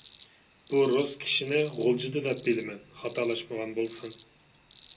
بۇ رۇس كىشىنى غۇلجىدا دەپ بىلىمەن، خاتالاشمىغان بولسام.